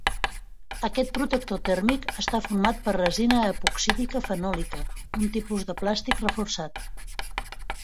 Aquest protector tèrmic està format per resina epoxídica fenòlica, un tipus de plàstic reforçat.